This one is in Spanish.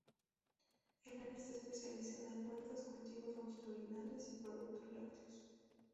El área está especializada en huertas, cultivos longitudinales y productos lácteos.